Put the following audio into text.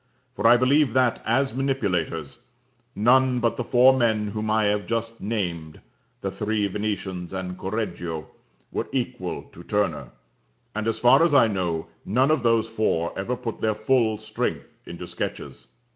For I believe that, as manipulators, none but the four men whom I have just named (the three Venetians and Correggio) were equal to Turner; and, as far as I know, none of those four ever put their full strength into sketches.